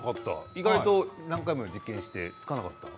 意外と何回も実験してつかなかったの？